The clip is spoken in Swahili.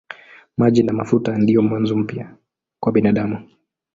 Maji na mafuta ndiyo mwanzo mpya kwa binadamu.